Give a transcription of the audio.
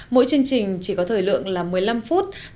mỗi chương trình chỉ có thời lượng là một mươi năm phút